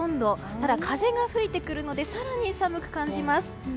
ただ、風が吹いてくるので更に寒く感じます。